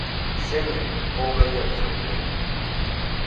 Сцене оҥго йыр савырнен.